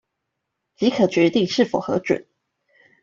即可決定是否核准